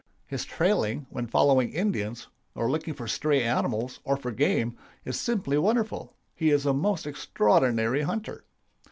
His trailing, when following Indians, or looking for stray animals, or for game, is simply wonderful. He is a most extraordinary hunter.